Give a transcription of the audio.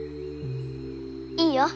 いいよ。